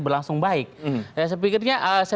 berlangsung baik saya pikirnya